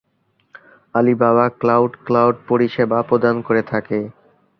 Alibaba cloud cloud পরিষেবা প্রদান করে থাকে।